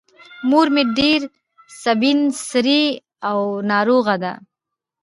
مور مې ډېره سبین سرې او ناروغه ده.